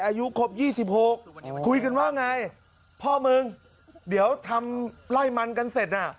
อายุครบ๒๖คุยกันว่าไงพ่อมึงเดี๋ยวทำไล่มันกันเสร็จน่ะ